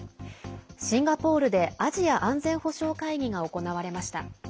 シンガポールでアジア安全保障会議が行われました。